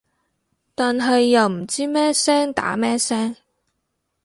但係又唔知咩聲打咩聲